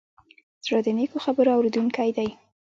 زړه د نیکو خبرو اورېدونکی دی.